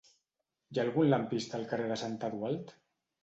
Hi ha algun lampista al carrer de Sant Eudald?